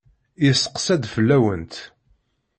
Yesseqsa-d fell-awent.